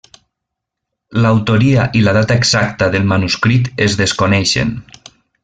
L'autoria i la data exacta del manuscrit es desconeixen.